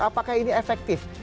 apakah ini efektif